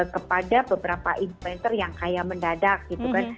kepada beberapa influencer yang kaya mendadak gitu kan